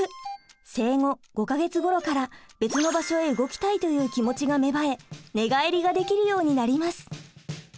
生後５か月ごろから別の場所へ動きたいという気持ちが芽生え「寝返り」ができるようになります。